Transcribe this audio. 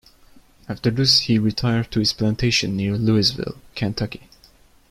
After this he retired to his plantation near Louisville, Kentucky.